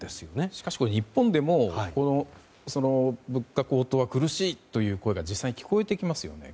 しかし、日本でも物価高騰は苦しいという声が実際に聞こえてきますよね。